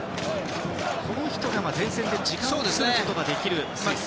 この人は前線で時間を作ることができます。